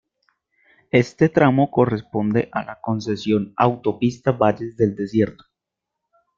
Este tramo corresponde a la concesión Autopista Valles del Desierto.